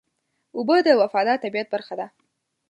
اوبه د وفادار طبیعت برخه ده.